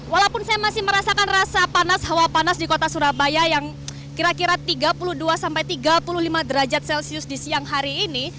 walaupun saya masih merasakan rasa panas hawa panas di kota surabaya yang kira kira tiga puluh dua sampai tiga puluh lima derajat celcius di siang hari ini